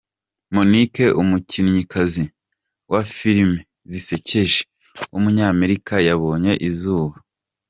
Mo'Nique, umukinnyikazi wa filime zisekeje w’umunyamerika yabonye izuba.